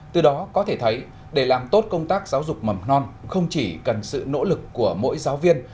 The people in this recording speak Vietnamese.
từ đó có thể thấy để làm tốt công tác giáo dục mầm non không chỉ cần sự nỗ lực của mỗi giáo viên